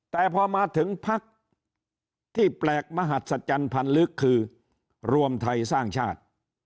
แต่พอมาถึงพักที่แปลกมหัศจรรย์พันธ์ลึกคือรวมไทยสร้างชาติ